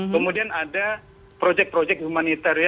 kemudian ada proyek proyek humanitaria